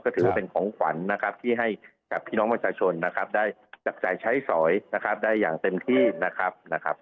ถือว่าเป็นของขวัญนะครับที่ให้กับพี่น้องประชาชนนะครับได้จับจ่ายใช้สอยนะครับได้อย่างเต็มที่นะครับนะครับ